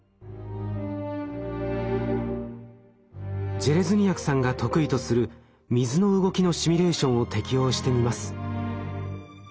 ジェレズニヤクさんが得意とする水の動きのシミュレーションを適用してみます。